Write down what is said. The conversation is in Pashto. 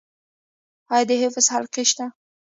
آیا د حفظ حلقې شته؟